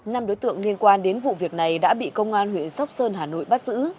năm đối tượng liên quan đến vụ việc này đã bị công an huyện sóc sơn hà nội bắt giữ